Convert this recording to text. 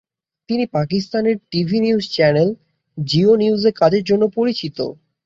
তিনি পাকিস্তানের TV news channel Geo নিউজে কাজের জন্য পরিচিত।